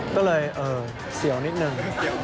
ก็เลยเอ่อเสียวนิดหนึ่ง